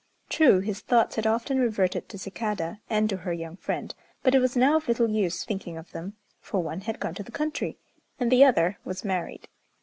True, his thoughts had often reverted to Cicada, and to her young friend; but it was now of little use thinking of them, for one had gone to the country, and the other was married.